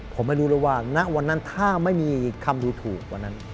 ผมรู้เลยว่าถ้าไม่มีคำดูถูกกว่านั้น